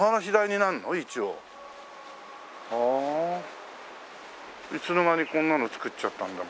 一応。はあ。いつの間にこんなの造っちゃったんだか。